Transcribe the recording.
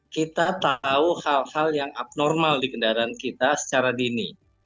kita tahu hal hal yang abnormal di kendaraan kita secara dini